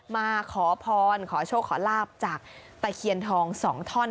มาขอพรขอโชคขอลาบจากตะเคียนทอง๒ท่อน